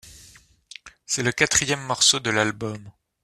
C’est le quatrième morceau de l’album.